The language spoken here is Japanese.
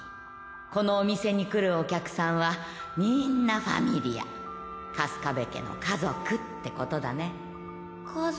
このお店に来るお客さんはみんなファミリア粕壁家の家族ってことだね家族？